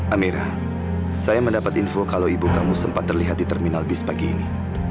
amera saya mendapat info kalau ibu kamu sempat terlihat di terminal bis pagi ini